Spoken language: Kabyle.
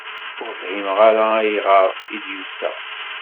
Ur fhimeɣ ara ayɣer i d-yusa.